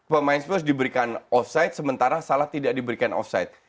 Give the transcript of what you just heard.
pemain spurs diberikan offside sementara salah tidak diberikan offside